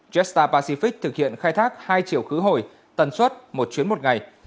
jetstar pacific thực hiện khai thác hai triệu khứ hồi tần suất một chuyến một ngày